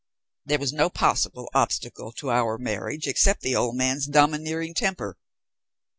There was no possible obstacle to our marriage except the old man's domineering temper.